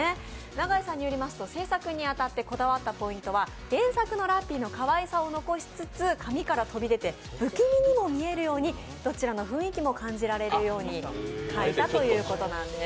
永井さんによりますと、制作に当たってこだわったポイントは原作のラッピーのかわいさを残しつつ、紙から飛び出て不気味にも見えるようにどちらの雰囲気も感じられるように描いたということなんです。